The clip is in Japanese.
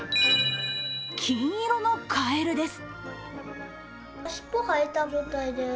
金色のカエルです。